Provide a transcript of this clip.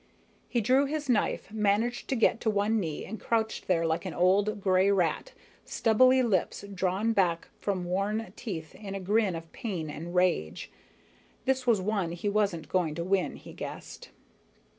He drew his knife, managed to get to one knee, and crouched there like an old gray rat, stubbly lips drawn back from worn teeth in a grin of pain and rage. This was one he wasn't going to win, he guessed.